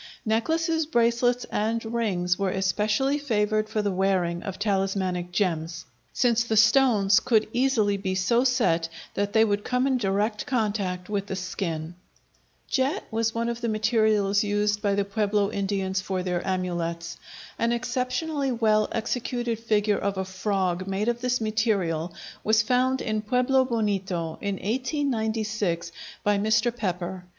Necklaces, bracelets, and rings were especially favored for the wearing of talismanic gems, since the stones could easily be so set that they would come in direct contact with the skin. Jet was one of the materials used by the Pueblo Indians for their amulets. An exceptionally well executed figure of a frog made of this material was found in Pueblo Bonito, in 1896, by Mr. Pepper.